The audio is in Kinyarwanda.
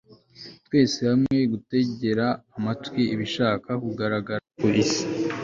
twese hamwe 'gutegera amatwi ibishaka kugaragara ku isi